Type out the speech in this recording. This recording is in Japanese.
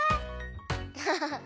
アハハハ！